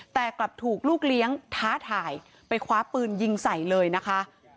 แต่กลับถูกลูกเลี้ยงท้าทายไปคว้าปืนยิงใส่เลยนะคะ